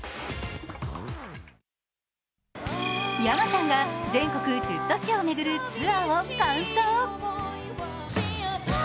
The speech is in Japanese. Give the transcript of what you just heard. ｙａｍａさんが全国１０都市を巡るツアーを観測。